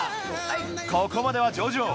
ここまでは上々！